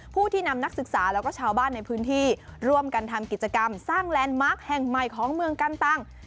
ผู้ที่นำนักศึกษาแล้วก็ชาวบ้านในพื้นที่ร่วมกันทำกิจกรรมสร้างแลนด์มาร์คแห่งใหม่ของเมืองกันตัง